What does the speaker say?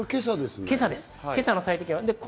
今朝の最低気温です。